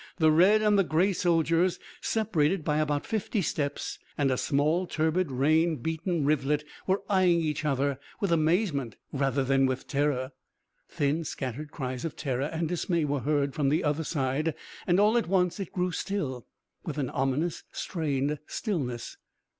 The red and the grey soldiers separated by about fifty steps and a small, turbid, rain beaten rivulet were eyeing each other with amazement rather than with terror. Thin scattered cries of terror and dismay were heard from the other side, and all at once it grew still with an ominous strained stillness.